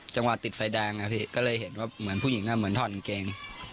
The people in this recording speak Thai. จังหวะติดไฟแดงนะพี่ก็เลยเห็นว่าเหมือนผู้หญิงเหมือนถอดกางเกง